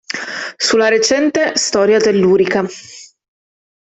Su la recente storia tellurica.